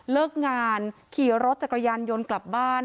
เลิกงานขี่รถจักรยานยนต์กลับบ้าน